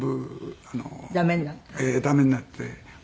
駄目になって。